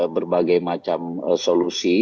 berbagai macam solusi